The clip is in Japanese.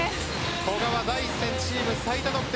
古賀は第１戦、チーム最多得点。